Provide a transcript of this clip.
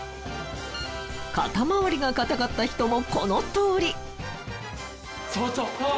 肩まわりが硬かった人もこのとおり。